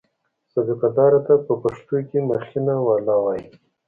سابقه دار ته په پښتو کې مخینه والا وایي.